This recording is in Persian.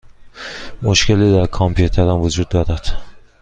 مشکلی در کامپیوترم وجود دارد.